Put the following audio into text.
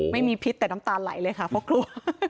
พิษแต่น้ำตาลไหลเลยค่ะเพราะกลัว